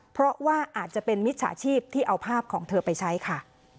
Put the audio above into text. เพราะว่าอาจจะเป็นมิจฉาชีพที่เอาภาพของเธอไปใช้ค่ะ